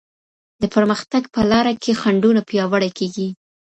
د پرمختګ په لاره کي خنډونه پیاوړې کيږي.